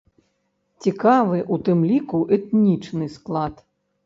Цікавы, у тым ліку, этнічны склад.